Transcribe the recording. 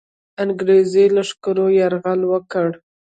انګرېزي لښکرو یرغل وکړ.